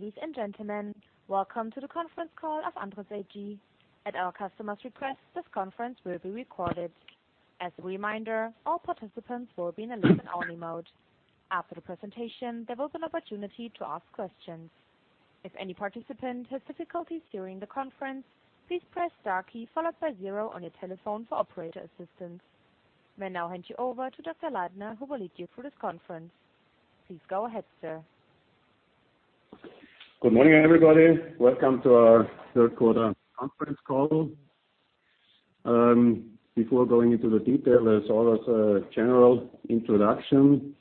Ladies and gentlemen, welcome to the conference call of Andritz AG. At our customer's request, this conference will be recorded. As a reminder, all participants will be in a listen-only mode. After the presentation, there will be an opportunity to ask questions. If any participant has difficulties during the conference, please press * key followed by zero on your telephone for operator assistance. May now hand you over to Dr. Leitner, who will lead you through this conference. Please go ahead, sir. Good morning, everybody. Welcome to our third quarter conference call. Before going into the detail, as always, a general introduction.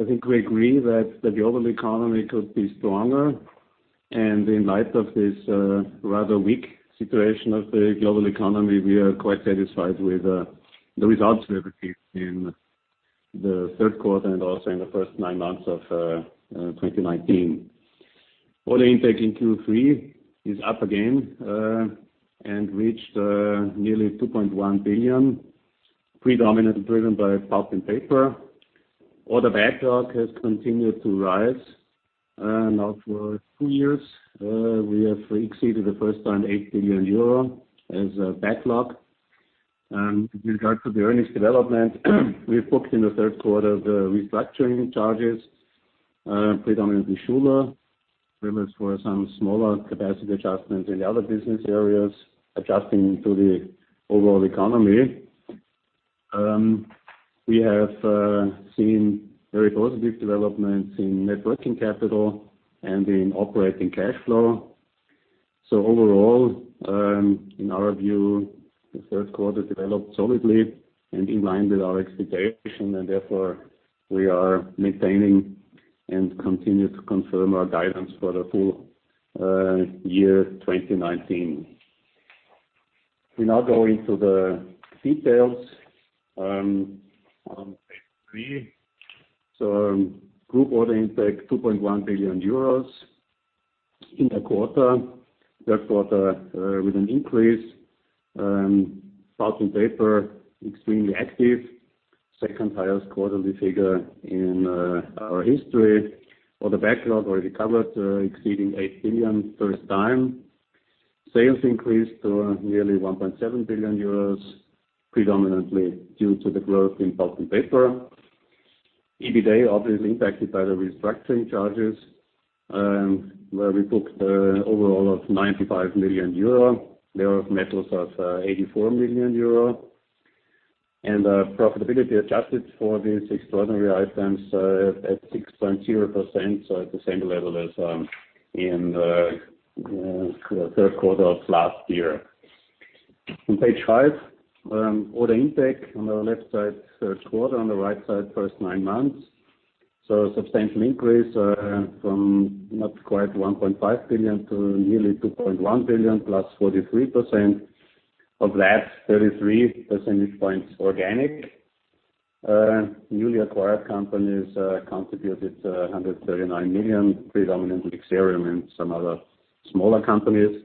I think we agree that the global economy could be stronger, and in light of this rather weak situation of the global economy, we are quite satisfied with the results we have achieved in the third quarter and also in the first nine months of 2019. Order intake in Q3 is up again and reached nearly 2.1 billion, predominantly driven by Pulp & Paper. Order backlog has continued to rise. Now, for two years, we have exceeded the first time 8 billion euro as a backlog. In regard to the earnings development, we've booked in the third quarter the restructuring charges, predominantly Schuler. There was for some smaller capacity adjustments in the other business areas, adjusting to the overall economy. We have seen very positive developments in net working capital and in operating cash flow. Overall, in our view, the third quarter developed solidly and in line with our expectation, and therefore, we are maintaining and continue to confirm our guidance for the full year 2019. We now go into the details. On page three. Group order intake, 2.1 billion euros in the quarter, third quarter, with an increase. Pulp & Paper, extremely active. Second highest quarterly figure in our history. Order backlog already covered, exceeding 8 billion first time. Sales increased to nearly 1.7 billion euros, predominantly due to the growth in Pulp & Paper. EBITA obviously impacted by the restructuring charges, where we booked overall of 95 million euro. There, Metals has 84 million euro. Profitability adjusted for these extraordinary items at 6.0%, at the same level as in the third quarter of last year. On page five, order intake on the left side, third quarter; on the right side, first nine months. Substantial increase from not quite 1.5 billion to nearly 2.1 billion, plus 43%. Of that, 33 percentage points organic. Newly acquired companies contributed 139 million, predominantly Xerium and some other smaller companies.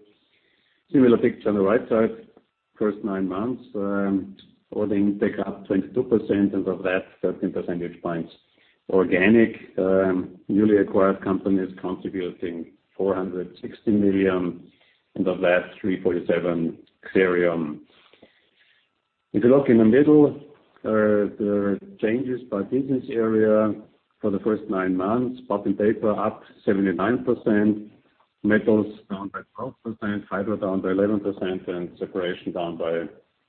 Similar picture on the right side, first nine months. Order intake up 22%, and of that, 13 percentage points organic. Newly acquired companies contributing 460 million, and of that, 347 million, Xerium. If you look in the middle, the changes by business area for the first nine months. Pulp & Paper up 79%, Metals down by 12%, Hydro down by 11%, and Separation down by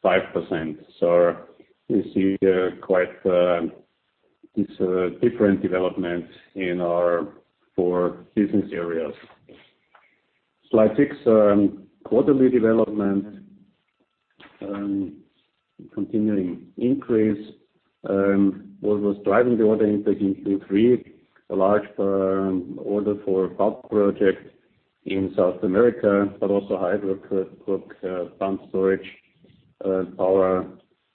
5%. You see quite these different developments in our four business areas. Slide six. Quarterly development, continuing increase. What was driving the order intake in Q3, a large order for pulp project in South America, but also Hydro booked pumped storage power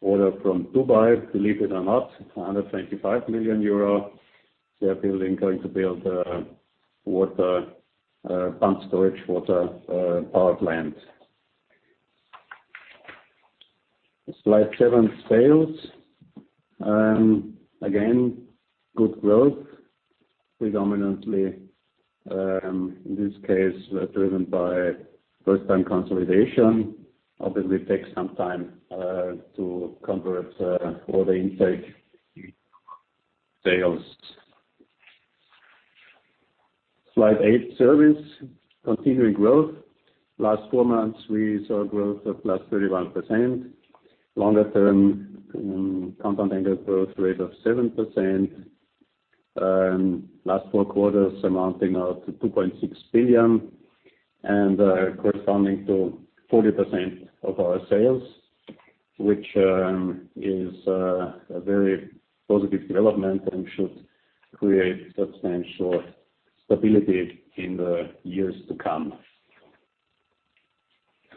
order from Dubai, believe it or not, 125 million euro. They're going to build a pumped storage water power plant. Slide seven, sales. Again, good growth. Predominantly, in this case, driven by first-time consolidation. Obviously takes some time to convert order intake sales. Slide eight, service. Continuing growth. Last four months, we saw a growth of +31%. Longer-term compound annual growth rate of 7%. Last four quarters amounting now to 2.6 billion and corresponding to 40% of our sales, which is a very positive development and should create substantial stability in the years to come.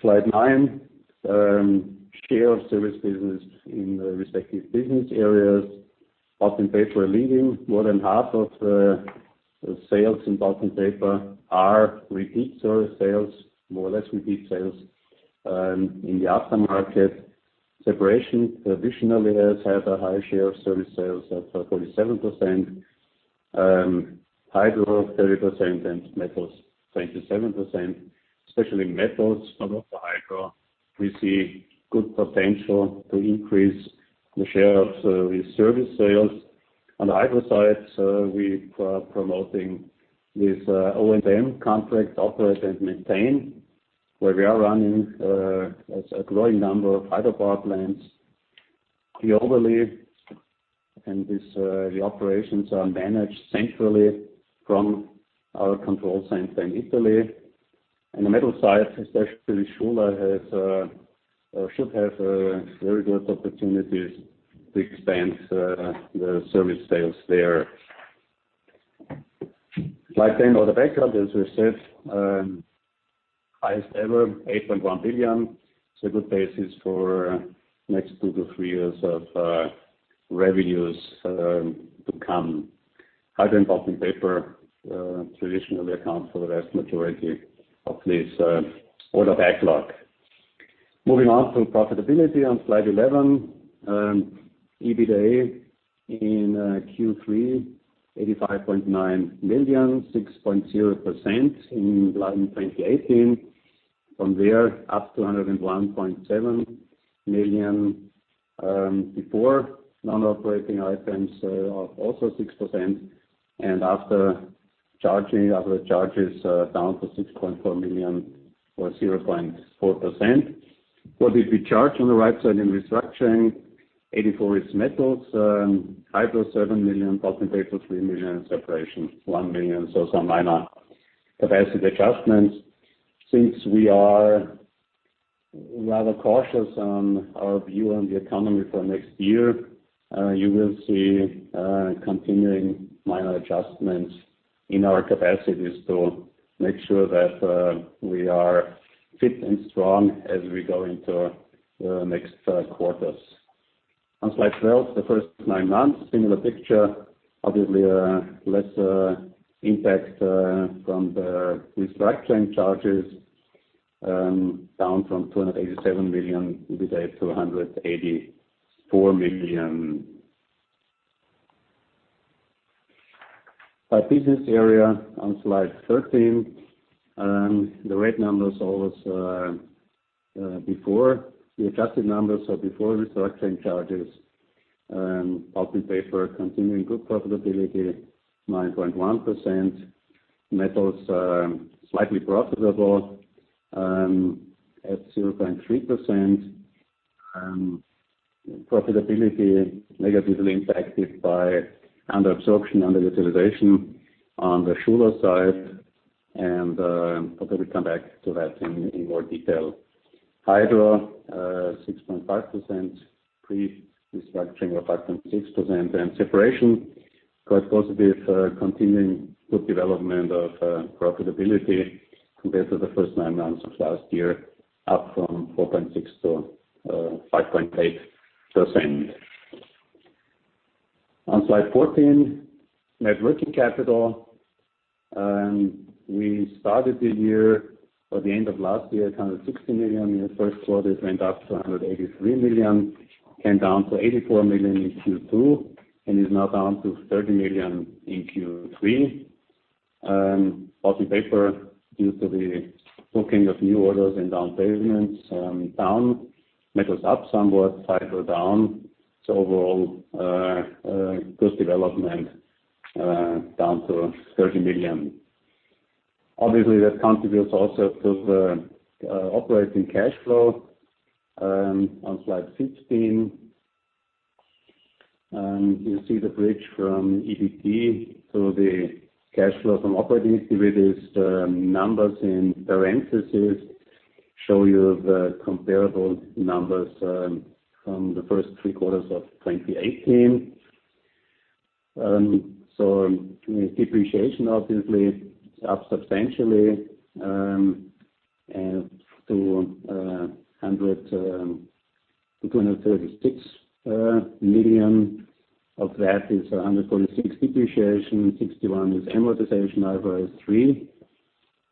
Slide nine. Share of service business in the respective business areas. Pulp & Paper leading. More than half of the sales in Pulp & Paper are repeat service sales, more or less repeat sales in the aftermarket. Separation traditionally has had a high share of service sales of 47%, Hydro 30%, and Metals 27%. Especially Metals, not Hydro, we see good potential to increase the share of service sales. On the Hydro side, we are promoting this O&M contract, operate and maintain, where we are running a growing number of hydropower plants globally. The operations are managed centrally from our control center in Italy. On the Metals side, especially Schuler should have very good opportunities to expand the service sales there. Slide 10, order backlog, as we said, highest ever, 8.1 billion. It's a good basis for next two to three years of revenues to come. Hydro and Pulp & Paper traditionally account for the vast majority of this order backlog. Moving on to profitability on Slide 11. EBITDA in Q3, 85.9 million, 6.0% in 2018. From there up to 101.7 million before non-operating items, also 6%. After charging other charges, down to 6.4 million or 0.4%. What did we charge on the right side in restructuring? 84 million is Metals, Hydro 7 million, Pulp & Paper 3 million, Separation 1 million. Some minor capacity adjustments. Since we are rather cautious on our view on the economy for next year, you will see continuing minor adjustments in our capacities to make sure that we are fit and strong as we go into the next quarters. On Slide 12, the first nine months, similar picture, obviously a lesser impact from the restructuring charges, down from 287 million to 184 million. By business area on Slide 13. The red numbers are before the adjusted numbers, so before restructuring charges. Pulp & Paper continuing good profitability, 9.1%. Metals slightly profitable at 0.3%. Profitability negatively impacted by under-absorption, under-utilization on the Schuler side. Probably we come back to that in more detail. Hydro 6.5% pre-restructuring, or 5.6%. Separation, quite positive continuing good development of profitability compared to the first nine months of last year, up from 4.6% to 5.8%. On Slide 14, net working capital. We started the year or the end of last year at 160 million. In the first quarter, it went up to 183 million, came down to 84 million in Q2, and is now down to 30 million in Q3. Pulp & Paper, due to the booking of new orders in down payments, down. Metals up somewhat. Hydro down. Overall, good development down to 30 million. Obviously, that contributes also to the operating cash flow. On Slide 15. You see the bridge from EBT to the cash flow from operating activities. The numbers in parentheses show you the comparable numbers from the first three quarters of 2018. Depreciation, obviously up substantially to 236 million. Of that is 146 depreciation, 61 is amortization.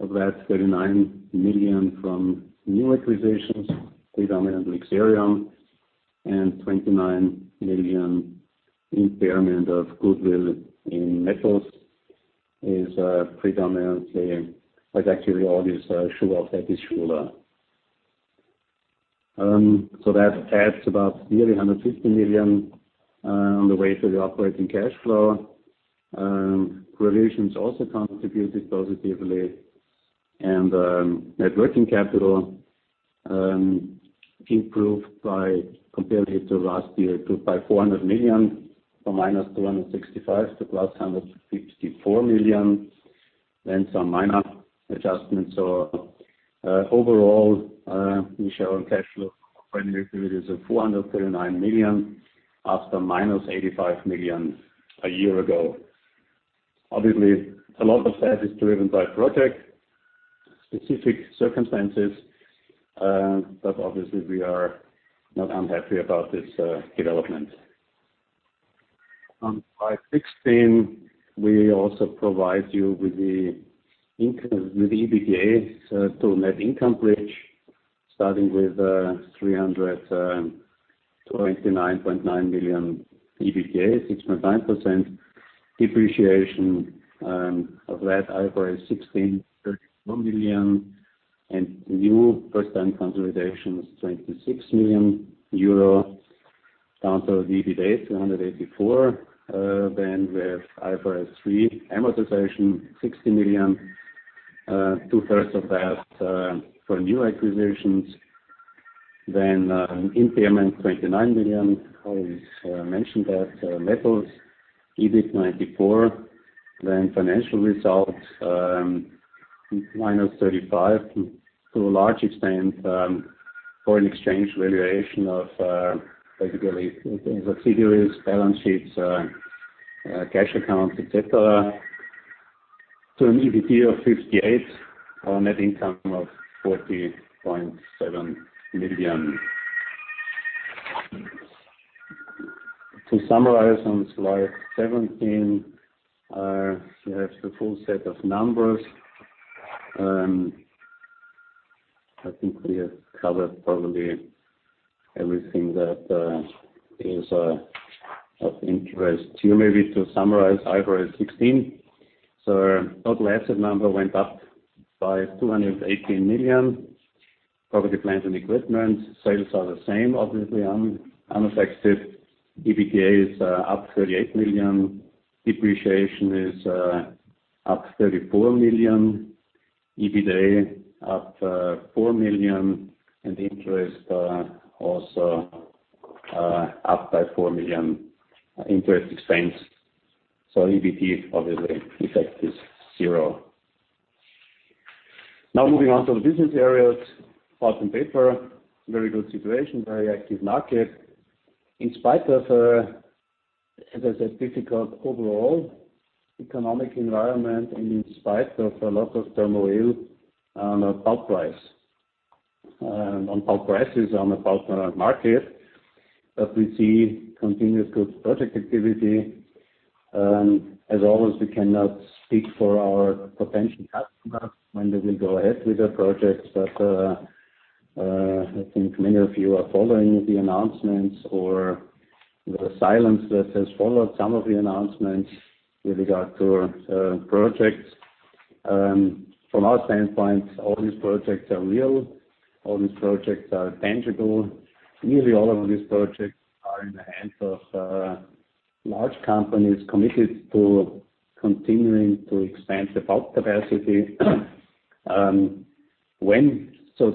Of that, 39 million from new acquisitions, predominantly Xerium, and 29 million impairment of goodwill in Metals is predominantly, actually all this Schuler. That adds about nearly 150 million on the way to the operating cash flow. Provisions also contributed positively. Net working capital improved compared to last year by 400 million, from minus 165 million to plus 154 million. Some minor adjustments. Overall, we show a cash flow from operating activities of 439 million after minus 85 million a year ago. Obviously, a lot of that is driven by project-specific circumstances, obviously, we are not unhappy about this development. On slide 16, we also provide you with the EBITDA to net income bridge, starting with 329.9 million EBITDA, 6.9% depreciation. Of that, IFRS 16, 34 million, and new first-time consolidation is 26 million euro down to the EBITA, 284 million. We have IFRS 3 amortization, 60 million. Two-thirds of that for new acquisitions. Impairment, 29 million. I always mention that. Metals, EBIT 94 million. Financial results, minus 35 million, to a large extent, foreign exchange valuation of basically the figures, balance sheets, cash accounts, et cetera, to an EBIT of 58 million on a net income of EUR 40.7 million. To summarize, on slide 17, you have the full set of numbers. I think we have covered probably everything that is of interest here. Maybe to summarize IFRS 16. Total asset number went up by 218 million. Property, plant, and equipment. Sales are the same, obviously unaffected. EBITDA is up 38 million. Depreciation is up 34 million. EBITA, up 4 million. Interest, also up by 4 million, interest expense. EBIT, obviously, effect is zero. Now moving on to the business areas. Pulp & Paper, very good situation, very active market. In spite of, as I said, difficult overall economic environment and in spite of a lot of turmoil on pulp prices, on the pulp market, we see continuous good project activity. As always, we cannot speak for our potential customers when they will go ahead with the projects. I think many of you are following the announcements or the silence that has followed some of the announcements with regard to projects. From our standpoint, all these projects are real. All these projects are tangible. Nearly all of these projects are in the hands of large companies committed to continuing to expand the pulp capacity.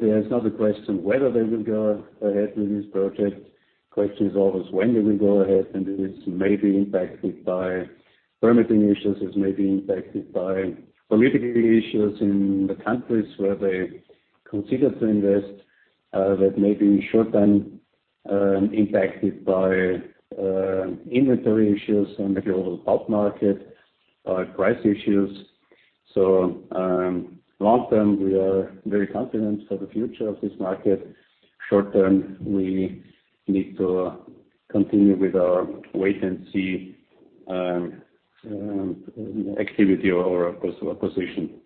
There is not a question whether they will go ahead with these projects. Question is always when they will go ahead, and it is maybe impacted by permitting issues. It may be impacted by political issues in the countries where they consider to invest. That may be short-term impacted by inventory issues in the global pulp market, price issues. Long term, we are very confident for the future of this market. Short term, we need to continue with our wait-and-see activity or position.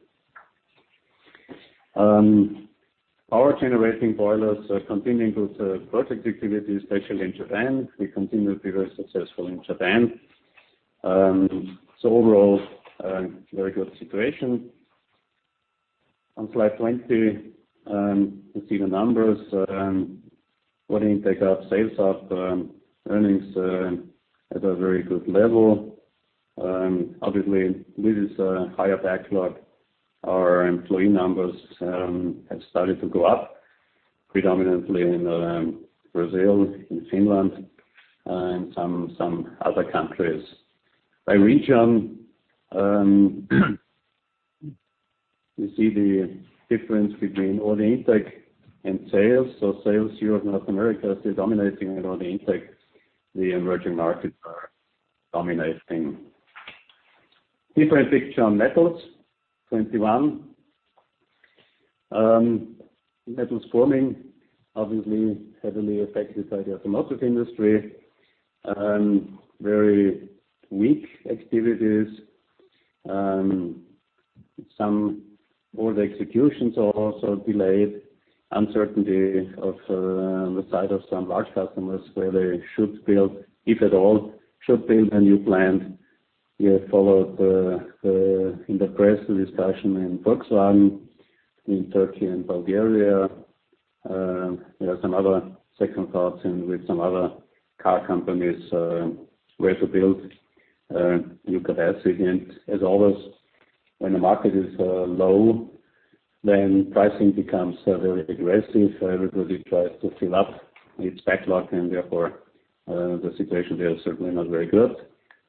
Power generating boilers are continuing with project activities, especially in Japan. We continue to be very successful in Japan. Overall, very good situation. On slide 20, you see the numbers. Order intake up, sales up, earnings at a very good level. Obviously, with this higher backlog, our employee numbers have started to go up, predominantly in Brazil, in Finland, and some other countries. By region, you see the difference between order intake and sales. Sales, Europe, North America, still dominating it. On the intake, the emerging markets are dominating. Different picture on Metals, 21. Metals Forming, obviously heavily affected by the automotive industry. Very weak activities. All the executions are also delayed. Uncertainty of the side of some large customers, where they should build, if at all, should build a new plant. You have followed in the press the discussion in Volkswagen, in Turkey and Bulgaria. There are some other second thoughts in with some other car companies where to build new capacity. As always, when the market is low, then pricing becomes very aggressive. Everybody tries to fill up its backlog, and therefore, the situation there is certainly not very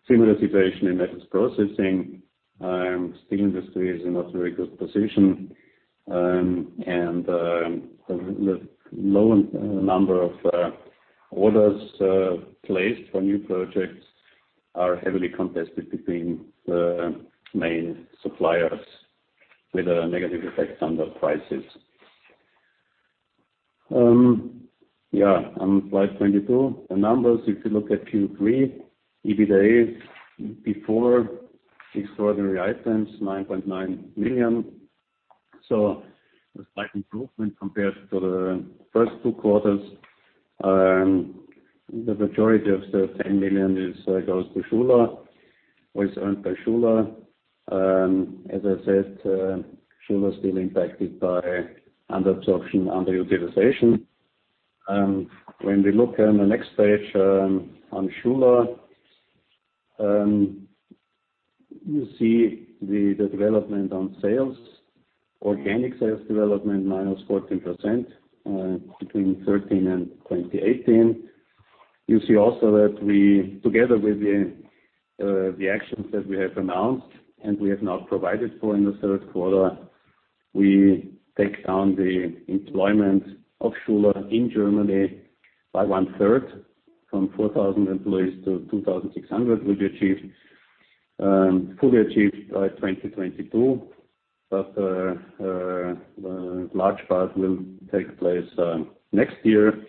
good. Similar situation in Metals Processing. Steel industry is in not very good position. The low number of orders placed for new projects are heavily contested between the main suppliers with a negative effect on the prices. On slide 22, the numbers, if you look at Q3, EBITDA before extraordinary items, 9.9 million. A slight improvement compared to the first two quarters. The majority of the 10 million goes to Schuler, or is earned by Schuler. As I said, Schuler is still impacted by under-absorption, under-utilization. We look on the next page, on Schuler. You see the development on sales. Organic sales development -14% between 2013 and 2018. You see also that together with the actions that we have announced, and we have now provided for in the third quarter, we take down the employment of Schuler in Germany by one third from 4,000 employees to 2,600, fully achieved by 2022. The large part will take place next year.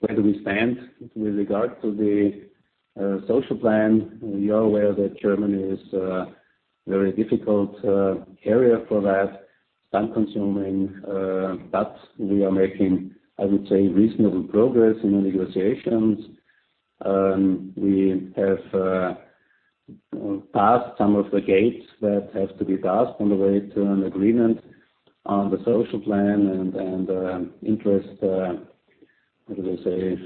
Where do we stand with regard to the social plan? We are aware that Germany is a very difficult area for that, time-consuming, we are making, I would say, reasonable progress in the negotiations. We have passed some of the gates that have to be passed on the way to an agreement on the social plan and interest, how do I say,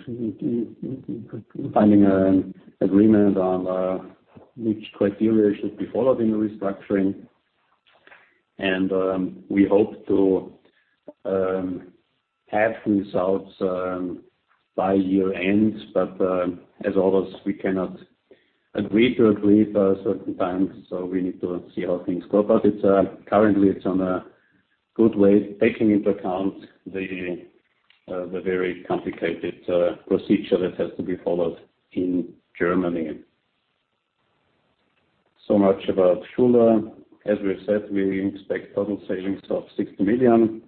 finding an agreement on which criteria should be followed in the restructuring. We hope to have results by year-end, but as always, we cannot agree to agree by a certain time, so we need to see how things go. Currently, it's on a good way, taking into account the very complicated procedure that has to be followed in Germany. Much about Schuler. As we have said, we expect total savings of 60 million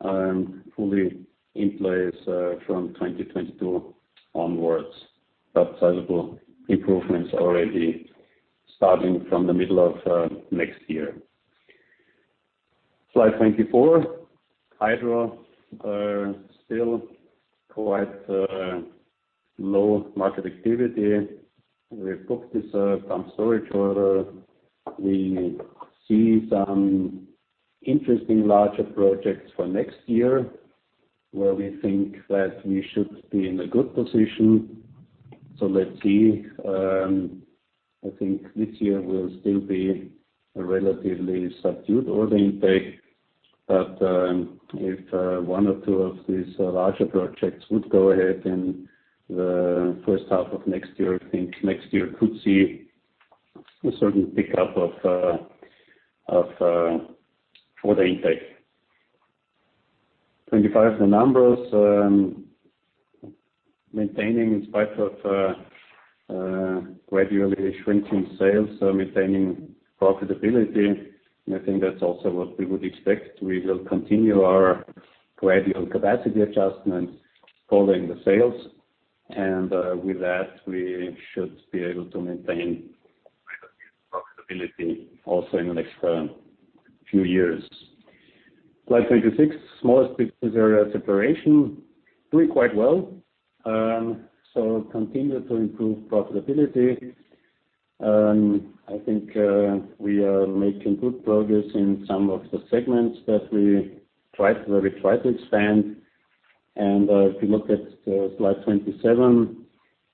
and fully in place from 2022 onwards, but sizable improvements already starting from the middle of next year. Slide 24. Hydro are still quite low market activity. We booked some storage order. We see some interesting larger projects for next year, where we think that we should be in a good position. Let's see. I think this year will still be a relatively subdued order intake. If one or two of these larger projects would go ahead in the first half of next year, I think next year could see a certain pickup of order intake. 25, the numbers. Maintaining in spite of gradually shrinking sales, maintaining profitability. I think that's also what we would expect. We will continue our gradual capacity adjustments following the sales. With that, we should be able to maintain profitability also in the next few years. Slide 26. Small sticks business area Separation. Doing quite well. Continue to improve profitability. I think we are making good progress in some of the segments that we try to expand. If you look at slide 27.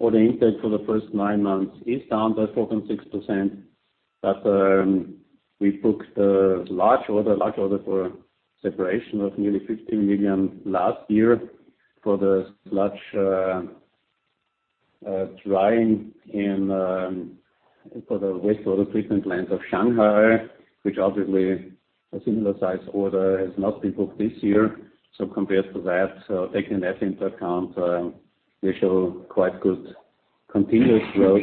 Order intake for the first nine months is down by 4.6%. We booked a large order for Separation of nearly 50 million last year for the sludge drying for the wastewater treatment plant of Shanghai, which obviously, a similar size order has not been booked this year. Compared to that, taking that into account, we show quite good continuous growth.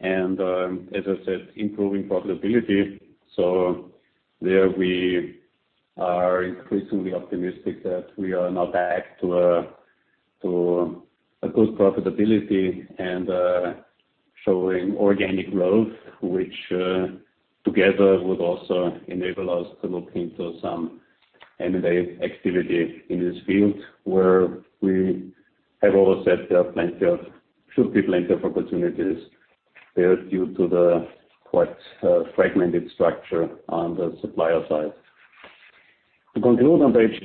As I said, improving profitability. There we are increasingly optimistic that we are now back to a good profitability and showing organic growth, which together would also enable us to look into some M&A activity in this field, where we have always said there should be plenty of opportunities there due to the quite fragmented structure on the supplier side. To conclude on page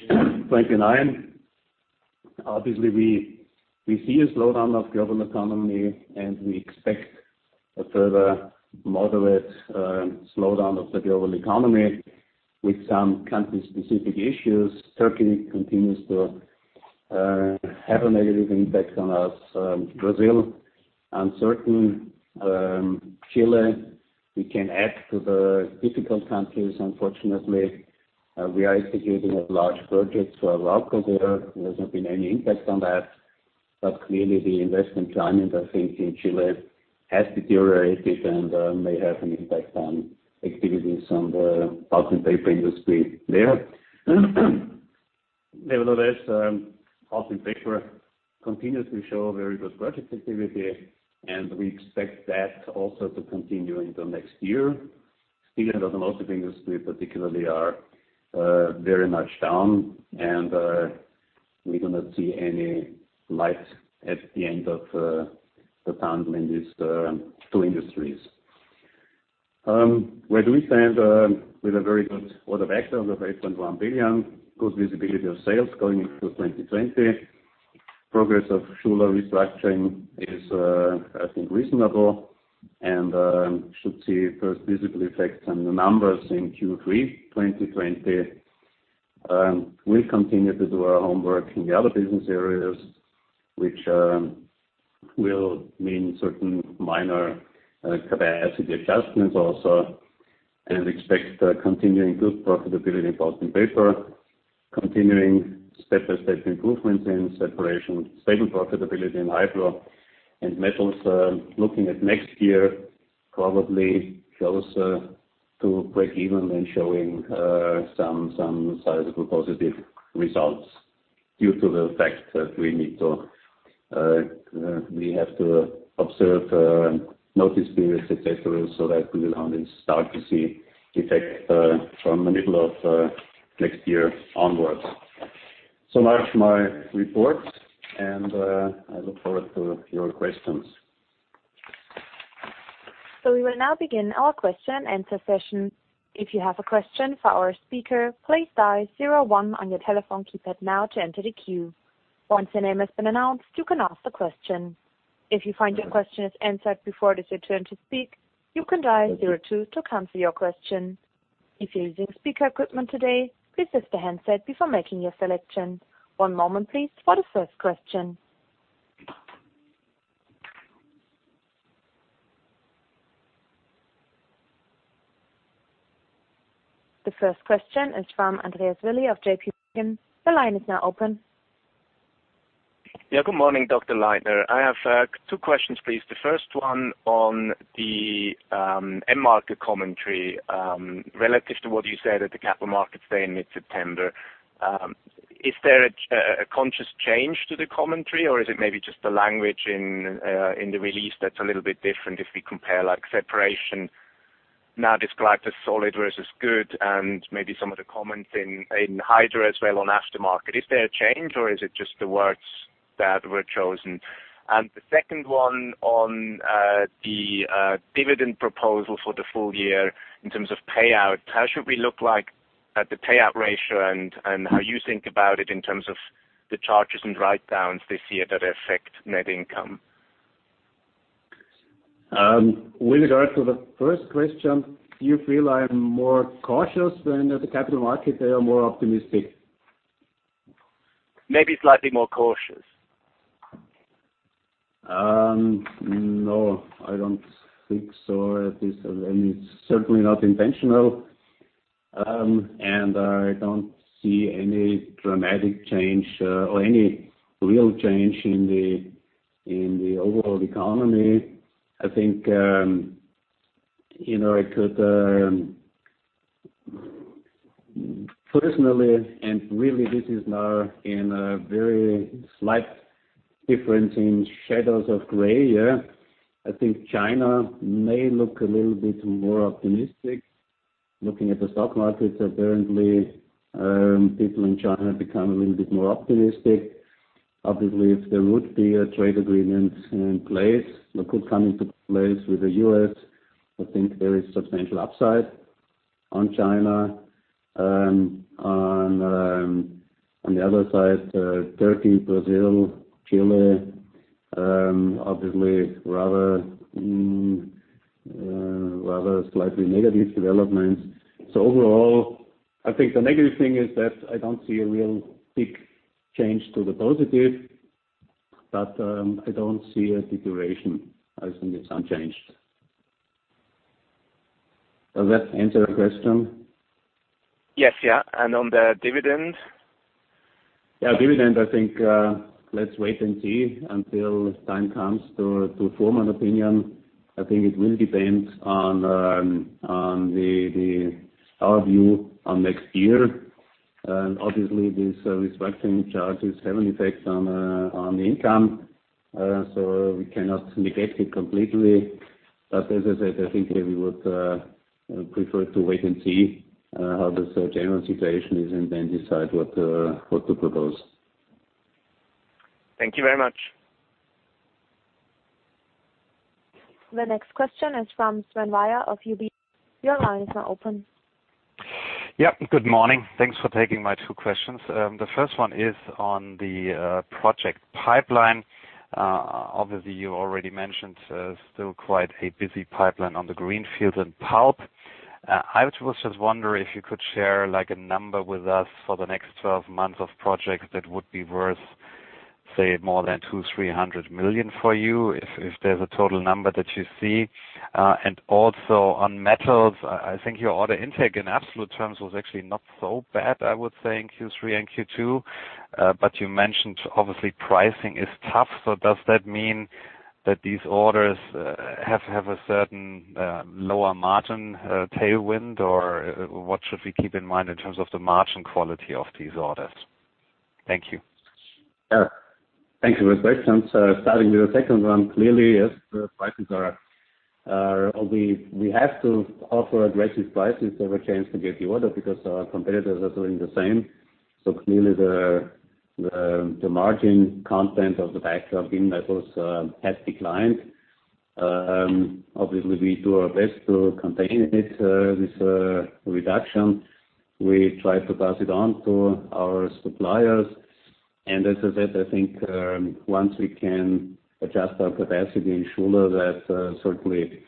29. Obviously, we see a slowdown of the global economy, and we expect a further moderate slowdown of the global economy with some country-specific issues. Turkey continues to have a negative impact on us. Brazil is uncertain. Chile, we can add to the difficult countries, unfortunately. We are executing a large project for a local there. There's not been any impact on that. Clearly, the investment climate, I think, in Chile has deteriorated and may have an impact on activities on the Pulp & Paper industry there. Nevertheless, Pulp & Paper continues to show very good project activity, and we expect that also to continue into next year. Steel and aluminum industry particularly are very much down, and we do not see any light at the end of the tunnel in these two industries. Where do we stand? We stand with a very good order backlog of 8.1 billion. Good visibility of sales going into 2020. Progress of Schuler restructuring is, I think, reasonable and should see first visible effects on the numbers in Q3 2020. We'll continue to do our homework in the other business areas, which will mean certain minor capacity adjustments also, and expect a continuing good profitability in Pulp & Paper. Continuing step-by-step improvements in Separation, stable profitability in Hydro, and Metals, looking at next year, probably closer to break even and showing some sizable positive results due to the fact that we have to observe notice periods, et cetera, so that we will only start to see effects from the middle of next year onwards. Much for my report, and I look forward to your questions. We will now begin our question and answer session. If you have a question for our speaker, please dial 01 on your telephone keypad now to enter the queue. Once your name has been announced, you can ask the question. If you find your question is answered before it is your turn to speak, you can dial 02 to cancel your question. If you're using speaker equipment today, please test the handset before making your selection. One moment please for the first question. The first question is from Andreas Willi of J.P. Morgan. The line is now open. Yeah. Good morning, Dr. Leitner. I have two questions, please. The first one on the end market commentary. Relative to what you said at the Capital Markets Day in mid-September, is there a conscious change to the commentary, or is it maybe just the language in the release that's a little bit different if we compare like Separation now described as solid versus good and maybe some of the comments in Hydro as well on aftermarket. Is there a change or is it just the words that were chosen? The second one on the dividend proposal for the full year in terms of payout. How should we look like at the payout ratio and how you think about it in terms of the charges and write-downs this year that affect net income? With regard to the first question, do you feel I am more cautious than at the Capital Markets Day or more optimistic? Maybe slightly more cautious. No, I don't think so. At least, certainly not intentional. I don't see any dramatic change or any real change in the overall economy. I think, personally, really this is now in a very slight difference in shadows of gray here. I think China may look a little bit more optimistic. Looking at the stock markets, apparently, people in China become a little bit more optimistic. Obviously, if there would be a trade agreement in place or could come into place with the U.S., I think there is substantial upside on China. On the other side, Turkey, Brazil, Chile, obviously rather slightly negative developments. Overall, I think the negative thing is that I don't see a real big change to the positive. I don't see a deterioration. I think it's unchanged. Does that answer the question? Yes. Yeah. On the dividend? Yeah. Dividend, I think, let's wait and see until time comes to form an opinion. I think it will depend on our view on next year. Obviously, these restructuring charges have an effect on the income, so we cannot neglect it completely. As I said, I think we would prefer to wait and see how the general situation is and then decide what to propose. Thank you very much. The next question is from Sven Weier of UBS. Your line is now open. Yeah. Good morning. Thanks for taking my two questions. The first one is on the project pipeline. Obviously, you already mentioned still quite a busy pipeline on the greenfields and pulp. I was just wondering if you could share a number with us for the next 12 months of projects that would be worth, say, more than 200 million, 300 million for you, if there's a total number that you see. Also on Metals, I think your order intake in absolute terms was actually not so bad, I would say, in Q3 and Q2. You mentioned, obviously, pricing is tough. Does that mean these orders have a certain lower margin tailwind? What should we keep in mind in terms of the margin quality of these orders? Thank you. Yeah. Thank you for the questions. Starting with the second one, clearly yes. We have to offer aggressive prices to have a chance to get the order, because our competitors are doing the same. Clearly, the margin content of the backlog in Metals Pro has declined. Obviously, we do our best to contain this reduction. We try to pass it on to our suppliers. As I said, I think once we can adjust our capacity in Schuler, that certainly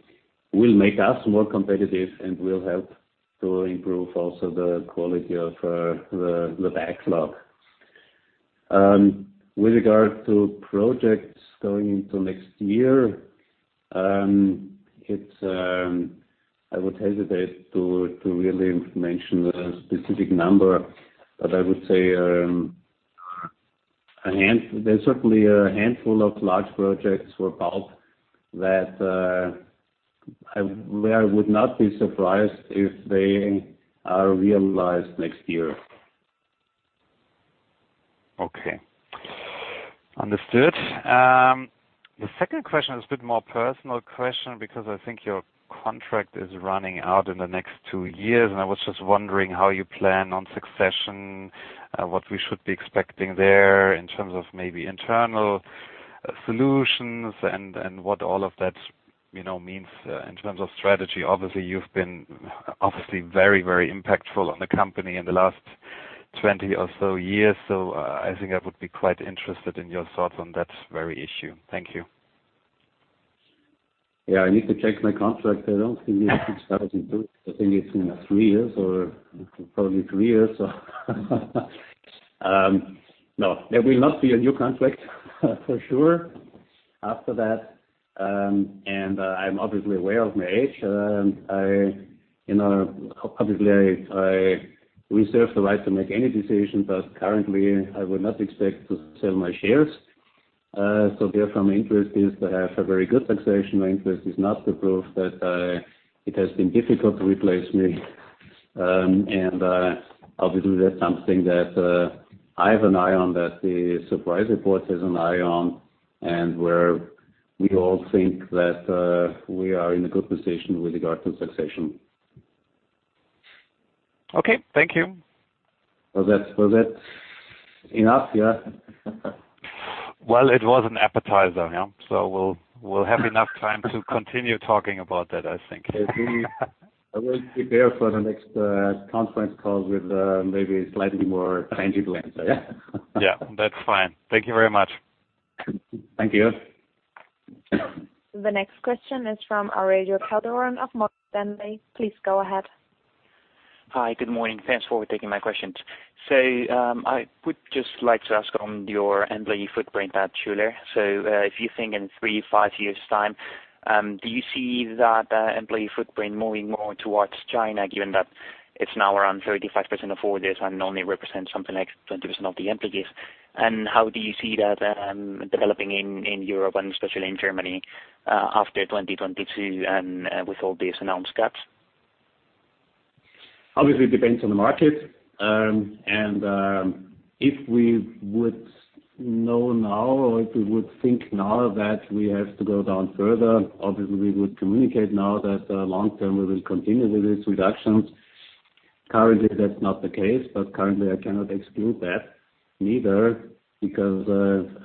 will make us more competitive and will help to improve also the quality of the backlog. With regard to projects going into next year, I would hesitate to really mention a specific number, but I would say there's certainly a handful of large projects for pulp, where I would not be surprised if they are realized next year. Okay. Understood. The second question is a bit more personal question, because I think your contract is running out in the next two years, and I was just wondering how you plan on succession, what we should be expecting there in terms of maybe internal solutions and what all of that means in terms of strategy. Obviously, you've been obviously very, very impactful on the company in the last 20 or so years. I think I would be quite interested in your thoughts on that very issue. Thank you. Yeah, I need to check my contract. I don't think it's 2002. I think it's in three years, or probably three years. No, there will not be a new contract for sure after that. I'm obviously aware of my age. Obviously, I reserve the right to make any decision, but currently I would not expect to sell my shares. Therefore, my interest is to have a very good succession. My interest is not to prove that it has been difficult to replace me. Obviously, that's something that I have an eye on, that the supervisory board has an eye on, and where we all think that we are in a good position with regard to succession. Okay, thank you. Was that enough, yeah? Well, it was an appetizer, yeah. We'll have enough time to continue talking about that, I think. I will prepare for the next conference call with maybe a slightly more tangible answer, yeah? Yeah, that's fine. Thank you very much. Thank you. The next question is from Aurelio Calderon of Morgan Stanley. Please go ahead. Hi. Good morning. Thanks for taking my questions. I would just like to ask on your employee footprint at Schuler. If you think in three, five years' time, do you see that employee footprint moving more towards China, given that it's now around 35% of orders and only represents something like 20% of the employees? How do you see that developing in Europe and especially in Germany after 2022 and with all these announced cuts? Obviously, it depends on the market. If we would know now, or if we would think now that we have to go down further, obviously, we would communicate now that long-term we will continue with these reductions. Currently, that's not the case, currently I cannot exclude that neither, because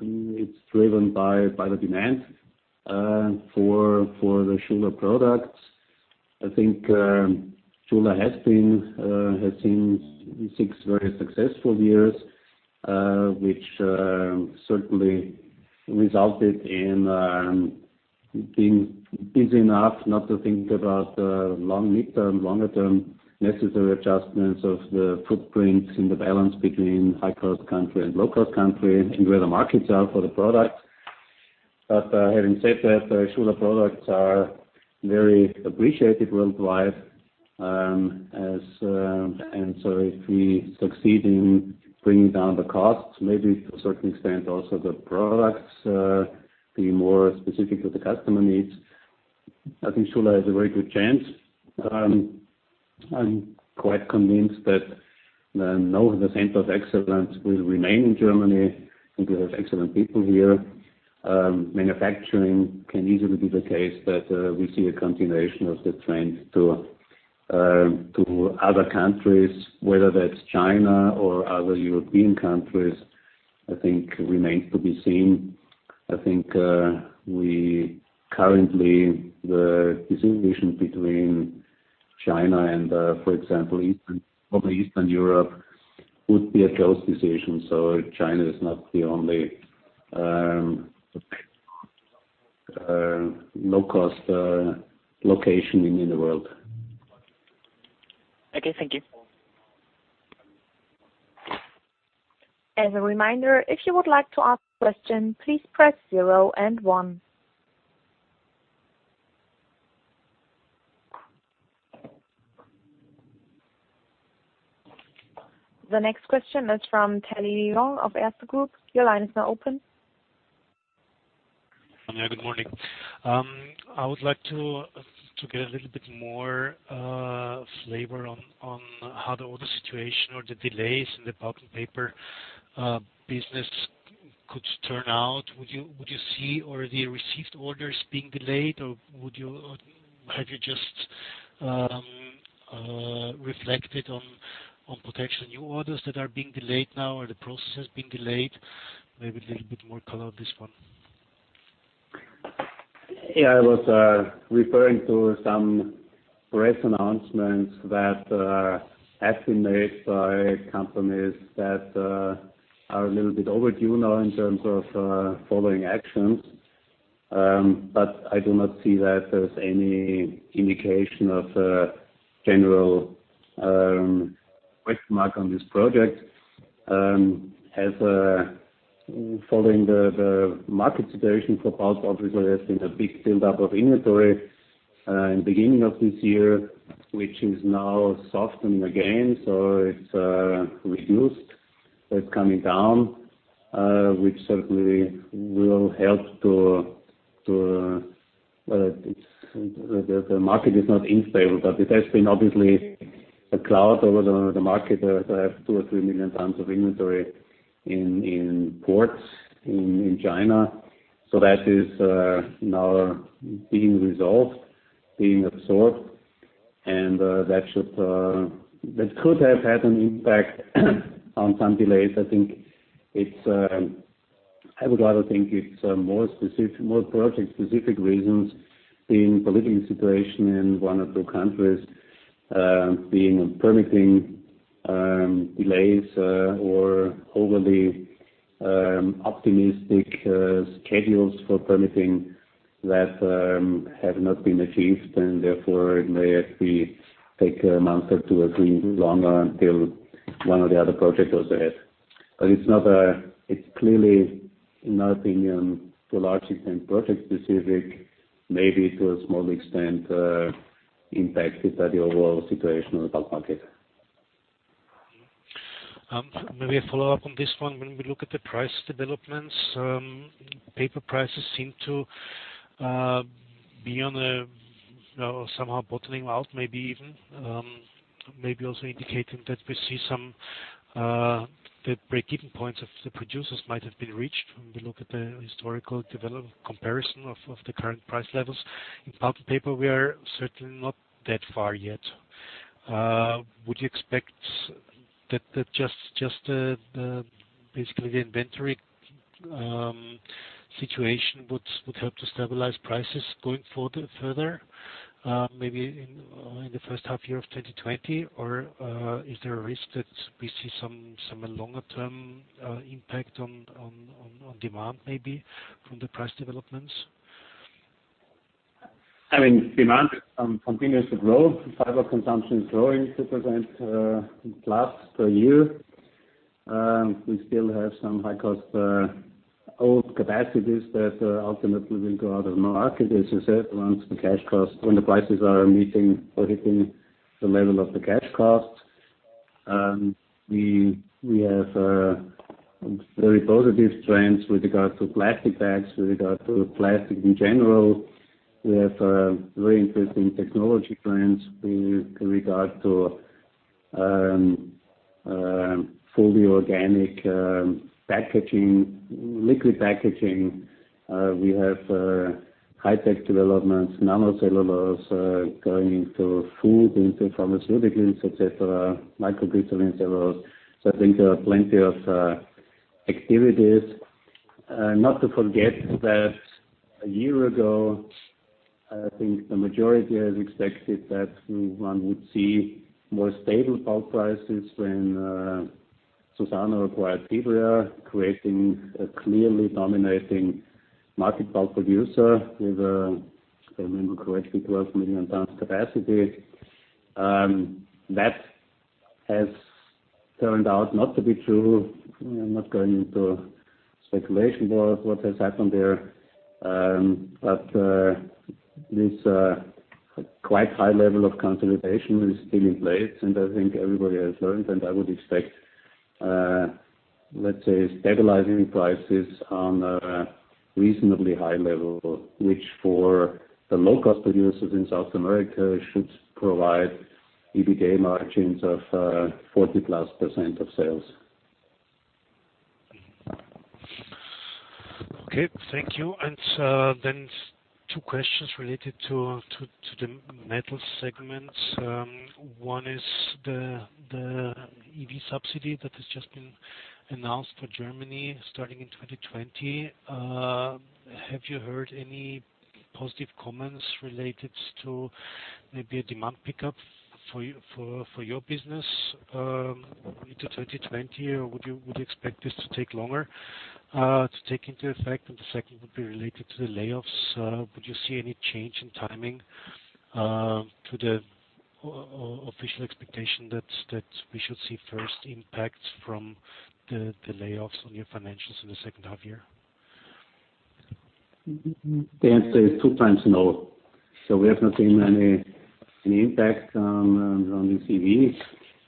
it's driven by the demand for the Schuler products. I think Schuler has seen six very successful years, which certainly resulted in being busy enough not to think about long-term, longer-term necessary adjustments of the footprints and the balance between high-cost country and low-cost country, and where the markets are for the product. Having said that, Schuler products are very appreciated worldwide. If we succeed in bringing down the costs, maybe to a certain extent also the products being more specific to the customer needs, I think Schuler has a very good chance. I'm quite convinced that now the center of excellence will remain in Germany and we have excellent people here. Manufacturing can easily be the case, but we see a continuation of the trend to other countries, whether that's China or other European countries, I think remains to be seen. I think currently the distinction between China and, for example, Eastern Europe would be a close decision. China is not the only low-cost location in the world. Okay, thank you. As a reminder, if you would like to ask a question, please press zero and one. The next question is from Daniel Lion of Erste Group. Your line is now open. Yeah. Good morning. I would like to get a little bit more flavor on how the order situation or the delays in the Pulp & Paper business could turn out. Would you see already received orders being delayed, or have you just reflected on potential new orders that are being delayed now or the process has been delayed? Maybe a little bit more color on this one. Yeah, I was referring to some press announcements that are estimated by companies that are a little bit overdue now in terms of following actions. I do not see that there's any indication of a general question mark on this project. Following the market situation for pulp, obviously, there's been a big build-up of inventory in beginning of this year, which is now softening again. It's reduced. That's coming down, which certainly will help. The market is not unstable, but it has been obviously a cloud over the market. There are 2 million or 3 million tons of inventory in ports in China. That is now being resolved, being absorbed, and that could have had an impact on some delays. I would rather think it's more project-specific reasons, being political situation in one or two countries, being permitting delays or overly optimistic schedules for permitting that have not been achieved. Therefore it may actually take a month or two or three longer until one or the other project goes ahead. It's clearly, in our opinion, to a large extent, project specific, maybe to a small extent, impacted by the overall situation in the pulp market. Maybe a follow-up on this one. When we look at the price developments, paper prices seem to be on the somehow bottling out, maybe even. Maybe also indicating that we see the break-even points of the producers might have been reached when we look at the historical development comparison of the current price levels. In pulp paper, we are certainly not that far yet. Would you expect that just basically the inventory situation would help to stabilize prices going further? Maybe in the first half year of 2020? Is there a risk that we see some longer-term impact on demand, maybe, from the price developments? Demand continues to grow. Fiber consumption is growing 2% plus per year. We still have some high-cost, old capacities that ultimately will go out of the market, as you said, once when the prices are meeting or hitting the level of the cash costs. We have very positive trends with regard to plastic bags, with regard to plastic in general. We have very interesting technology trends with regard to fully organic liquid packaging. We have high-tech developments, nanocellulose, going into food, into pharmaceuticals, et cetera, microcrystalline cellulose. I think there are plenty of activities. Not to forget that a year ago, I think the majority has expected that one would see more stable pulp prices when Suzano acquired Fibria, creating a clearly dominating market pulp producer with, if I remember correctly, 12 million tons capacity. That has turned out not to be true. I'm not going into speculation about what has happened there. This quite high level of consolidation is still in place, and I think everybody has learned, and I would expect, let's say, stabilizing prices on a reasonably high level, which for the low-cost producers in South America should provide EBITDA margins of 40-plus % of sales. Okay. Thank you. Two questions related to the Metals segments. One is the EV subsidy that has just been announced for Germany starting in 2020. Have you heard any positive comments related to maybe a demand pickup for your business into 2020? Would you expect this to take longer to take into effect? The second would be related to the layoffs. Would you see any change in timing to the official expectation that we should see first impacts from the layoffs on your financials in the second half year? The answer is two times no. We have not seen any impact from the EVs.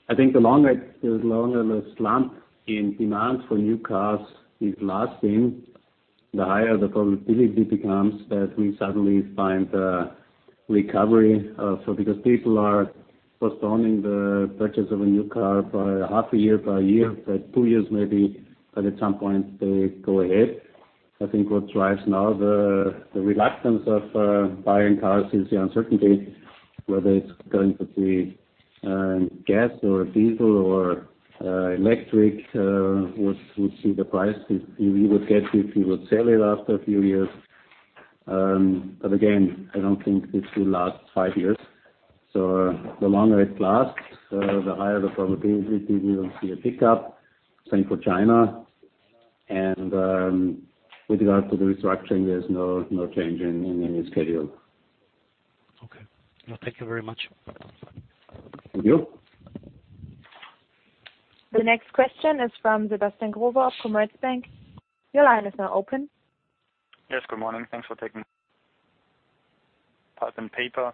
I think the longer the slump in demand for new cars is lasting, the higher the probability becomes that we suddenly find a recovery. Because people are postponing the purchase of a new car by half a year, by a year, by two years, maybe, but at some point they go ahead. I think what drives now the reluctance of buying cars is the uncertainty, whether it's going to be gas or diesel or electric. What we see the price we would get if we would sell it after a few years. Again, I don't think this will last five years. The longer it lasts, the higher the probability we will see a pickup. Same for China. With regard to the restructuring, there's no change in any schedule. Okay. No, thank you very much. Thank you. The next question is from Sebastian Growe of Commerzbank. Your line is now open. Yes, good morning. Pulp & Paper.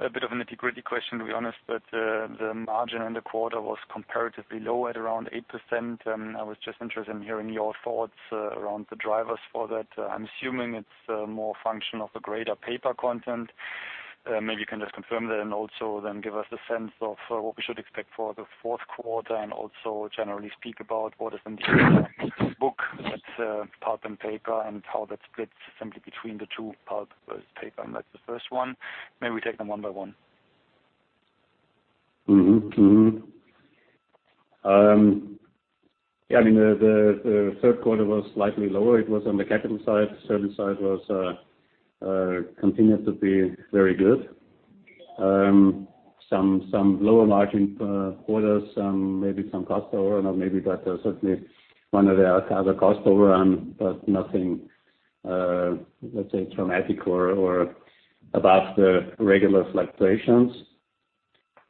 A bit of a nitty-gritty question, to be honest. The margin in the quarter was comparatively low at around 8%, and I was just interested in hearing your thoughts around the drivers for that. I'm assuming it's more function of the greater paper content. Maybe you can just confirm that and also then give us a sense of what we should expect for the fourth quarter, and also generally speak about what is in the book that's Pulp & Paper and how that splits simply between the two, pulp versus paper. That's the first one. Maybe we take them one by one. The third quarter was slightly lower. It was on the capital side. Service side continues to be very good. Some lower margin quarters, maybe some cost overrun, or maybe, but certainly one of the other cost overrun, but nothing, let's say, traumatic or above the regular fluctuations.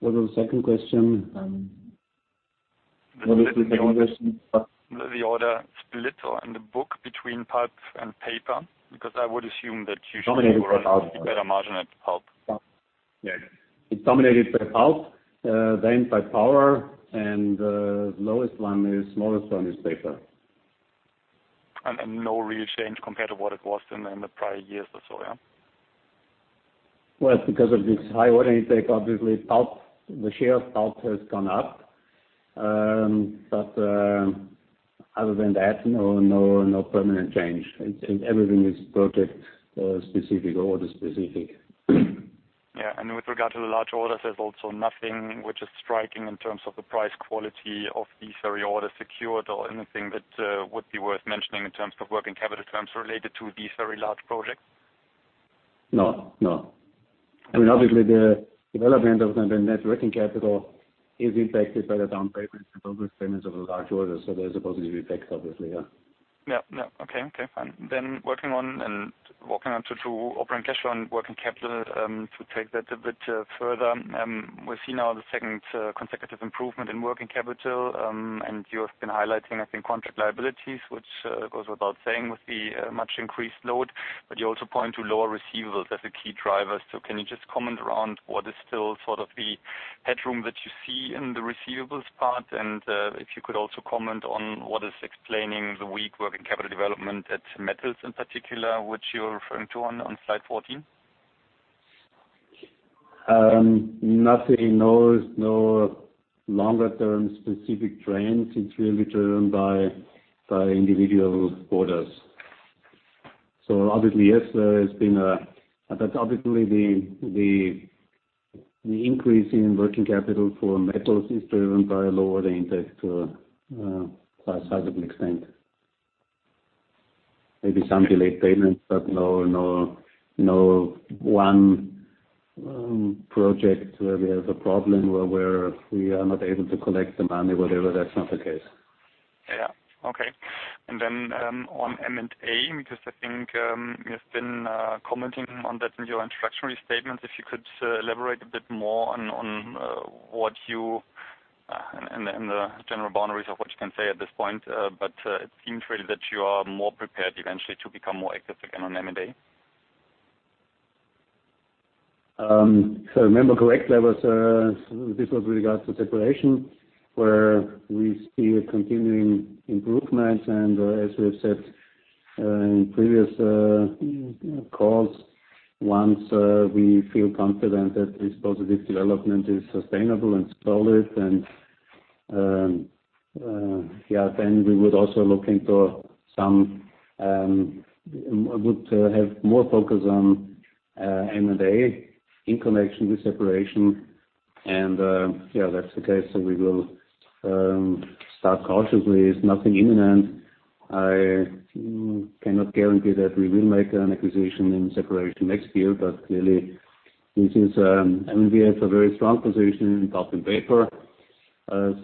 What was the second question? The order split or in the book between Pulp & Paper, because I would assume that you should have a better margin at pulp. Yes. It's dominated by pulp, then by power, and the smallest one is paper. No real change compared to what it was in the prior years or so, yeah? Well, because of this high order intake, obviously the share of pulp has gone up. Other than that, no permanent change. Everything is project specific, order specific. Yeah. With regard to the large orders, there's also nothing which is striking in terms of the price quality of these very orders secured or anything that would be worth mentioning in terms of working capital terms related to these very large projects? Obviously the development of the net working capital is impacted by the down payments and progress payments of the large orders. There's a positive effect, obviously, yeah. Yeah. Okay, fine. Working on and walking on to operating cash flow and working capital, to take that a bit further. We're seeing now the second consecutive improvement in working capital. You have been highlighting, I think, contract liabilities, which goes without saying with the much increased load, but you also point to lower receivables as a key driver. Can you just comment around what is still sort of the headroom that you see in the receivables part? If you could also comment on what is explaining the weak working capital development at Metals in particular, which you're referring to on slide 14? Nothing, no. No longer term specific trends. It's really driven by individual orders. Obviously, yes, there has been. Obviously, the increase in working capital for Metals is driven by a lower intake to a sizable extent. Maybe some delayed payments, but no one project where we have a problem where we are not able to collect the money. Whatever, that's not the case. Yeah. Okay. On M&A, because I think you've been commenting on that in your introductory statements. If you could elaborate a bit more on, in the general boundaries of what you can say at this point. It seems really that you are more prepared eventually to become more active again on M&A. If I remember correct, this was regards to Separation, where we see a continuing improvement. As we have said in previous calls, once we feel confident that this positive development is sustainable and solid, then we would also look into more focus on M&A in connection with Separation, and that's the case. We will start cautiously. It's nothing imminent. I cannot guarantee that we will make an acquisition in Separation next year. Clearly, M&A has a very strong position in Pulp & Paper. We are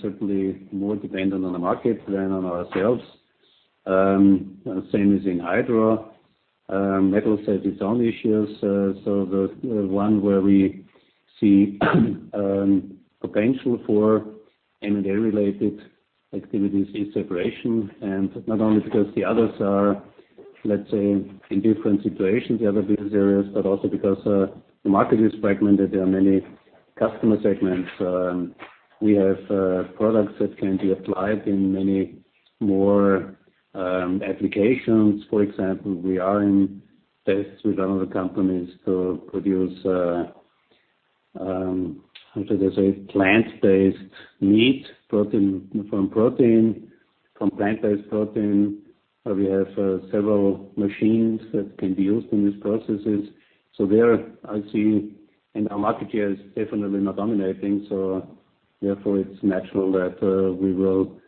certainly more dependent on the market than on ourselves. Same as in Hydro. Metals has its own issues. The one where we see potential for M&A-related activities in Separation. Not only because the others are, let's say, in different situations, the other business areas, but also because the market is fragmented. There are many customer segments. We have products that can be applied in many more applications. For example, we are in tests with other companies to produce, how should I say, plant-based meat protein from plant-based protein. We have several machines that can be used in these processes. There I see, and our market share is definitely not dominating, therefore it's natural that we will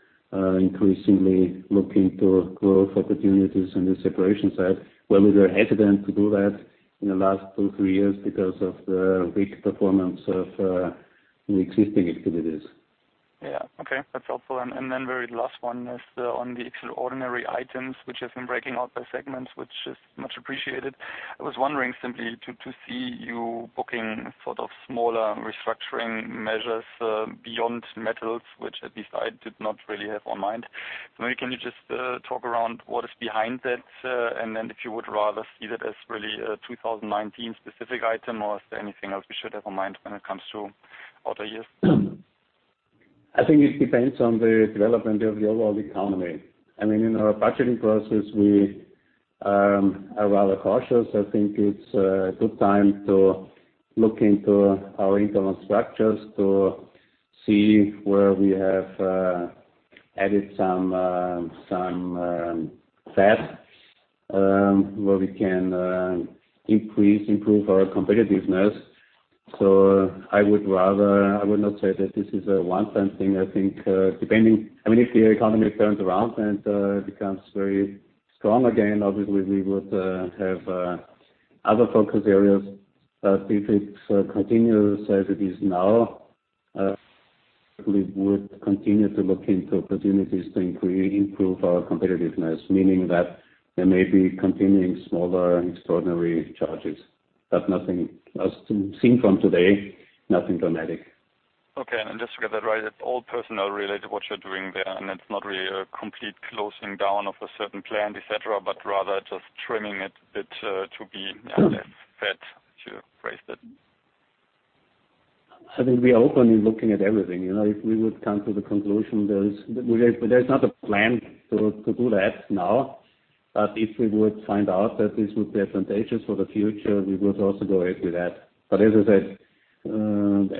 increasingly look into growth opportunities on the Separation side, where we were hesitant to do that in the last two, three years because of the weak performance of the existing activities. Yeah. Okay. That's helpful. The very last one is on the extraordinary items, which have been breaking out by segments, which is much appreciated. I was wondering simply to see you booking sort of smaller restructuring measures, beyond Metals, which at least I did not really have on mind. Maybe can you just talk around what is behind that, and then if you would rather see that as really a 2019 specific item, or is there anything else we should have in mind when it comes to other years? I think it depends on the development of the overall economy. In our budgeting process, we are rather cautious. I think it's a good time to look into our internal structures to see where we have added some fat, where we can increase, improve our competitiveness. I would not say that this is a one-time thing. I think, if the economy turns around and becomes very strong again, obviously we would have other focus areas. If it continues as it is now, we would continue to look into opportunities to improve our competitiveness, meaning that there may be continuing smaller extraordinary charges. As seen from today, nothing dramatic. Just to get that right, it is all personnel-related, what you are doing there, and it is not really a complete closing down of a certain plant, et cetera, but rather just trimming it a bit to be less fat, to phrase it. I think we are openly looking at everything. If we would come to the conclusion there's not a plan to do that now, but if we would find out that this would be advantageous for the future, we would also go ahead with that. As I said,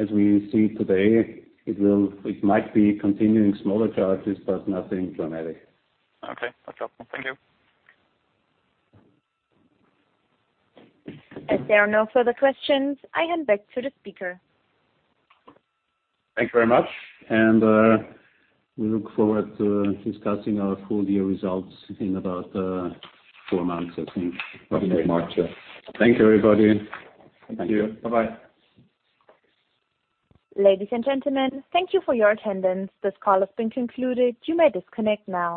as we see today, it might be continuing smaller charges, but nothing dramatic. Okay. That's helpful. Thank you. As there are no further questions, I hand back to the speaker. Thank you very much. We look forward to discussing our full year results in about four months, I think. Probably March, yeah. Thank you, everybody. Thank you. Bye-bye. Ladies and gentlemen. Thank you for your attendance. This call has been concluded. You may disconnect now.